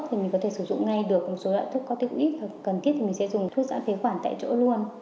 thì mình có thể sử dụng ngay được một số loại thuốc có tiêu ít hoặc cần thiết thì mình sẽ dùng thuốc giãn phế khoản tại chỗ luôn